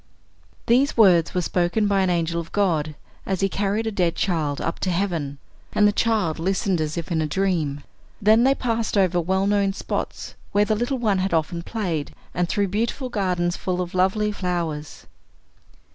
These words were spoken by an angel of God, as he carried a dead child up to heaven, and the child listened as if in a dream. Then they passed over well known spots, where the little one had often played, and through beautiful gardens full of lovely flowers.